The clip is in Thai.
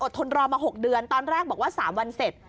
ทนรอมา๖เดือนตอนแรกบอกว่า๓วันเสร็จ